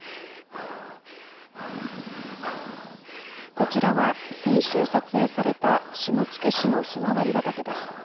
こちらは先週撮影された下野市のひまわり畑です。